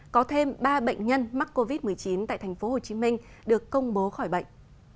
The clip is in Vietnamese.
có thêm ba bệnh nhân mắc covid một mươi chín tại tp hcm được công bố khỏi bệnh